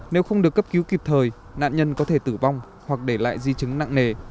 nếu không được cấp cứu kịp thời nạn nhân có thể tử vong hoặc để lại di chứng nặng nề